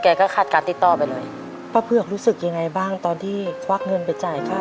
ก็คาดการติดต่อไปเลยป้าเผือกรู้สึกยังไงบ้างตอนที่ควักเงินไปจ่ายค่า